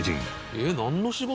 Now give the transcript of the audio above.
「えっなんの仕事？